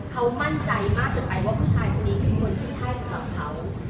เขามั่นใจมากเกินไปว่าผู้ชายคนนี้คือคนที่ใช่สำหรับเขา